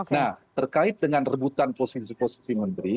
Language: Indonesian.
nah terkait dengan rebutan posisi posisi menteri